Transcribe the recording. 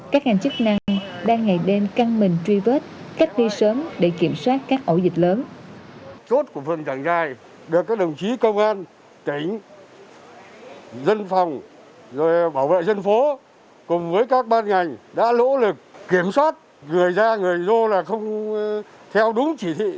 các ngành chức năng đang ngày đêm căng mình truy vết cách ly sớm để kiểm soát các ổ dịch lớn